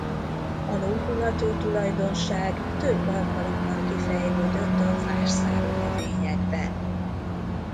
A lombhullató tulajdonság több alkalommal kifejlődött a fás szárú növényekben.